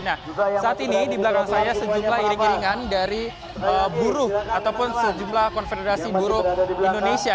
nah saat ini di belakang saya sejumlah iring iringan dari buruh ataupun sejumlah konfederasi buruh indonesia